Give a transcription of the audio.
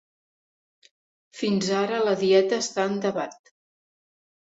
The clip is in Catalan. Fins ara, la dieta està en debat.